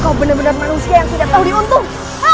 kau bener bener manusia yang tidak tahu diuntung